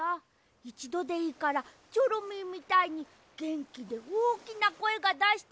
いちどでいいからチョロミーみたいにげんきでおおきなこえがだしてみたいんだよ。